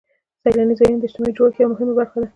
سیلاني ځایونه د اجتماعي جوړښت یوه مهمه برخه ده.